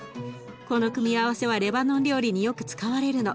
この組み合わせはレバノン料理によく使われるの。